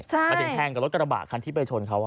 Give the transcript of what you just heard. ใช่ตัวถึงแทงกว่ารถกระบะที่ไปชนเขา